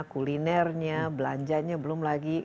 kulinernya belanjanya belum lagi